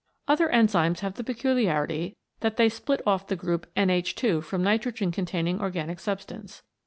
Other enzymes have the peculiarity that they split off the group NH 2 from nitrogen containing organic substance.